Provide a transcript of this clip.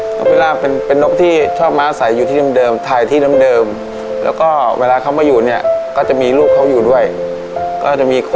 นกฟิราปเป็นนกที่ชอบมาอาศัยอยู่ที่ดำเดิมถ่ายที่ดำเดิม